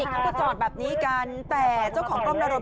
เขาก็จอดแบบนี้กันแต่เจ้าของกล้องหน้ารถ